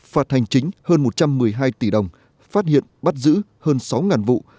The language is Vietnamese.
phạt hành chính hơn một trăm một mươi hai tỷ đồng phát hiện bắt giữ hơn sáu vụ